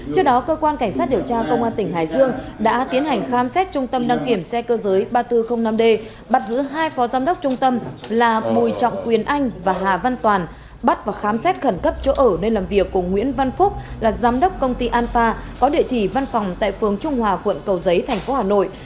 trước đó cơ quan cảnh sát điều tra công an tỉnh hải dương đã tiến hành khám xét trung tâm đăng kiểm xe cơ giới ba nghìn bốn trăm linh năm d bắt giữ hai phó giám đốc trung tâm là bùi trọng quyền anh và hà văn toàn bắt và khám xét khẩn cấp chỗ ở nơi làm việc của nguyễn văn phúc là giám đốc công ty an pha có địa chỉ văn phòng tại phường trung hòa quận cầu giấy thành phố hà nội